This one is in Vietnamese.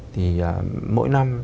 thì mỗi năm